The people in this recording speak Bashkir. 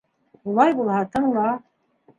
- Улай булһа, тыңла.